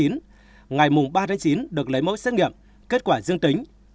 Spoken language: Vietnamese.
ngày ba chín được lấy mẫu xét nghiệm kết quả dương tính